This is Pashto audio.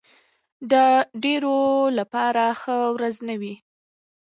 ډېرو لپاره ښه ورځ نه وي.